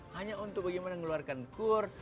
hanya untuk bagaimana mengeluarkan kur